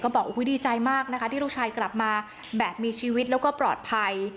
บอกดีใจมากนะคะที่ลูกชายกลับมาแบบมีชีวิตแล้วก็ปลอดภัย